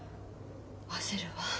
焦るわ。